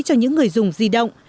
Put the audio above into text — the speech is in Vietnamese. cho những người dùng di động